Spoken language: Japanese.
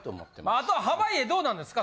あとは濱家どうなんですか？